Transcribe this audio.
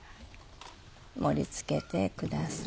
盛り付けてください。